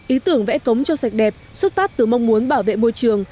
ý tưởng vẽ cống cho sạch đẹp xuất phát từ mong muốn bảo vệ môi trường